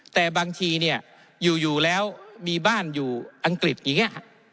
แต่บางทีเนี่ยอยู่แล้วมีบ้านอยู่อังกฤษอย่างนี้